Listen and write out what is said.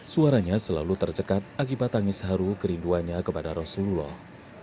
suaranya selalu tercekat akibat tangis haru kerinduannya kepada rasulullah